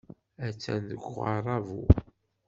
Attan deg uɣerrabu.